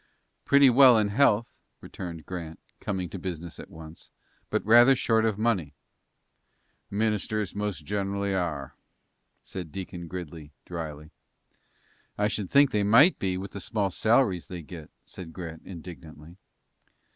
"Pretty well in health," returned Grant, coming to business at once, "but rather short of money." "Ministers most gen'ally are," said Deacon Gridley, dryly. "I should think they might be, with the small salaries they get," said Grant, indignantly.